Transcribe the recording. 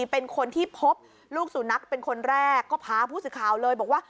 เป็นคนที่พบลูกสุนัขเป็นคนแรกก็พาผู้สื่อข่าวเลยบอกว่า